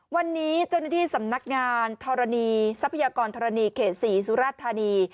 วันนี้เจ้าหน้าที่สำนักงานธรณีทรัพยากรธรณีเขต๔สุรธานี